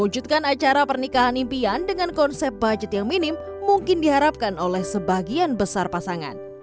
wujudkan acara pernikahan impian dengan konsep budget yang minim mungkin diharapkan oleh sebagian besar pasangan